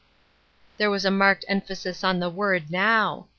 " There was a marked emphasis on the word now.